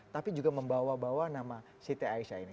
tapi juga membawa bawa nama siti aisyah ini